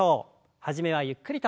初めはゆっくりと。